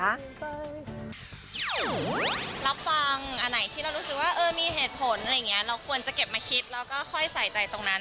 รับฟังอันไหนที่เรารู้สึกว่ามีเหตุผลอะไรอย่างนี้เราควรจะเก็บมาคิดแล้วก็ค่อยใส่ใจตรงนั้น